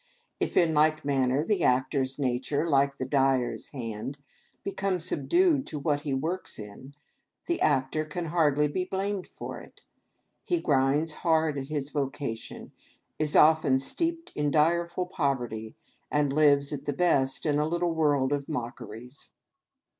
If, in like manner, the actor's nature, like the dyer's hand, become subdued to what he works in, the actor can hardly be blamed for it. He grinds hard at his vocation, is often steeped in direful poverty, and lives, at the best, in a little world of mockeries!